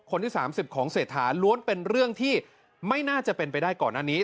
คนที่๓๐ของเศรษฐาล้วนเป็นเรื่องที่ไม่น่าจะเป็นไปได้ก่อนหน้านี้